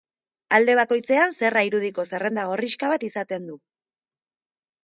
Alde bakoitzean zerra irudiko zerrenda gorrixka bat izaten du.